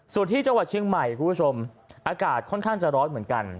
ส่วนที่จังหวัดเชียงใหม่คุณผู้ชมอากาศค่อนข้างจะร้อนเหมือนกัน